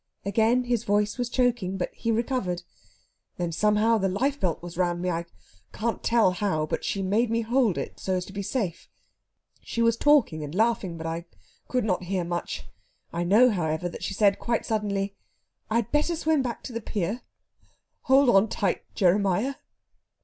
Again his voice was choking, but he recovered. "Then, somehow, the life belt was round me I can't tell how, but she made me hold it so as to be safe. She was talking and laughing, but I could not hear much. I know, however, that she said quite suddenly, 'I had better swim back to the pier. Hold on tight, Jeremiah!'..."